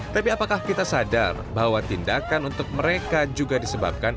tapi apakah kita sadar bahwa tindakan untuk mereka juga disebabkan